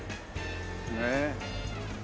ねえ。